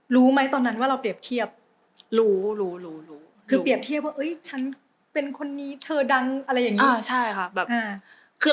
รู้ไหมตอนนั้นว่าเราเปรียบเทียบรู้รู้คือเปรียบเทียบพลุทีาเชิงชอบเลว